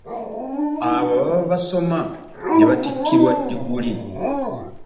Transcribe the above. Abo ababa basoma ne batikkirwa diguli.